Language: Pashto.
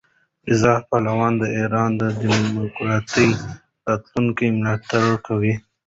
رضا پهلوي د ایران د دیموکراتیک راتلونکي ملاتړ کوي.